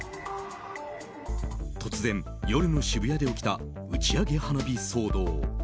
突然、夜の渋谷で起きた打ち上げ花火騒動。